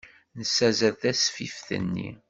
Nessazzel tasfift-nni.